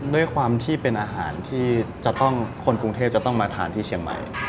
ด้วยความที่เป็นอาหารที่จะต้องคนกรุงเทพจะต้องมาทานที่เชียงใหม่